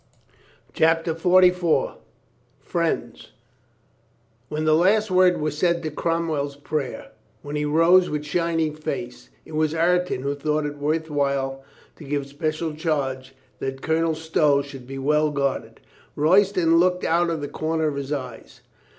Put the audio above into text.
CHAPTER FORTY FOUR FRIENDS "X^ 7HEN the last word was said to Cromwell's ■' prayer, when he rose with shining face, it was Ireton who thought it worth while to give spe cial charge that Colonel Stow should be well guard ed. Royston looked out of the corners of his eyes.